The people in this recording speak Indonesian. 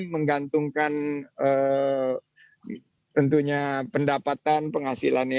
menggantungkan tentunya pendapatan penghasilan